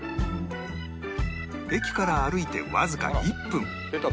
駅から歩いてわずか１分